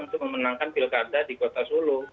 untuk memenangkan pilkada di kota solo